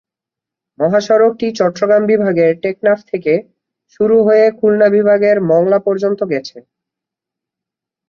মহাসড়কটি চট্টগ্রাম বিভাগের টেকনাফ থেকে শুরু হয়ে খুলনা বিভাগ-এর মংলা পর্যন্ত গেছে।